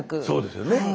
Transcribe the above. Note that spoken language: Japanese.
そうですよね。